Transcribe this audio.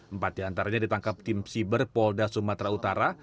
empat diantaranya ditangkap tim siber polda sumatera utara